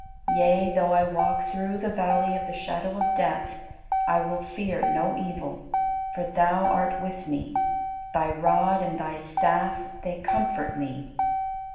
Yea, though I walk through the valley of the shadow of death, I will fear no evil: for thou art with me; Thy rod and thy staff they comfort me.